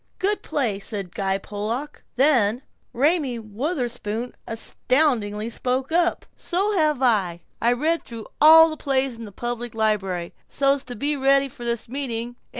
Good play," said Guy Pollock. Then Raymie Wutherspoon astoundingly spoke up: "So have I. I read through all the plays in the public library, so's to be ready for this meeting.